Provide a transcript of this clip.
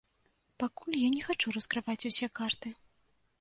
Пакуль я не хачу раскрываць усе карты.